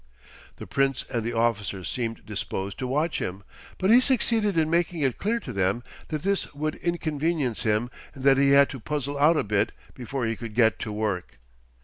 The Prince and the officer seemed disposed to watch him, but he succeeded in making it clear to them that this would inconvenience him and that he had to "puzzle out a bit" before he could get to work.